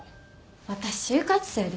私就活生です。